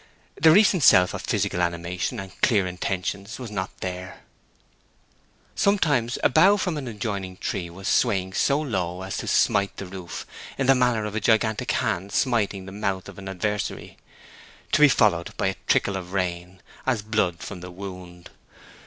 The recent self of physical animation and clear intentions was not there. Sometimes a bough from an adjoining tree was swayed so low as to smite the roof in the manner of a gigantic hand smiting the mouth of an adversary, to be followed by a trickle of rain, as blood from the wound.